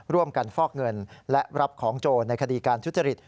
ฟอกเงินและรับของโจรในคดีการทุจริต